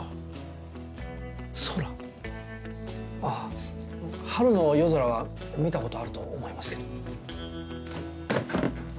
ああ春の夜空は見たことあると思いますけど。